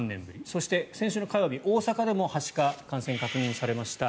そして先週火曜日、大阪でもはしかが確認されました。